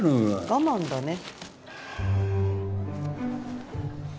我慢だね。